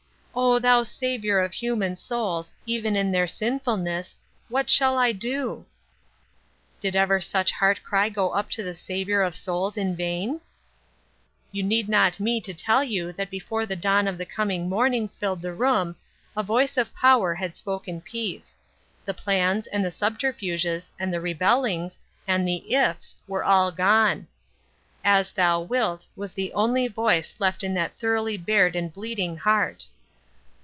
Oh, thou Saviour of human souls, even in theii tiinfulness, what shall I do ?" Did ever sucli heart cry go up to the Saviour of souls in vain ? You do not need me to tell you that before the dawn of the coming morning filled the room a voice of power had spoken peace. The pla ns, and " Thi Oil of Joyr 426 the subterfuges, and the rebellings, and the " ifs,' all were gone. " As thou wilt," was the only voice left in that thoroughly bared and bleeding heart.